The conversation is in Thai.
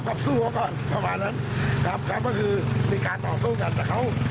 เขาก่อนประมาณนั้นครับครับก็คือมีการต่อการสู้กัน